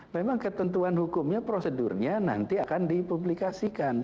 memang ketentuan hukumnya prosedurnya nanti akan dipublikasikan